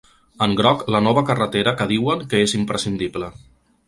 En groc la nova carretera que diuen que és imprescindible.